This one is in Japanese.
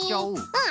うん！